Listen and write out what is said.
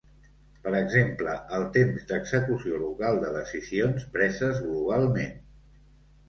Per exemple, el temps d'execució local de decisions preses globalment.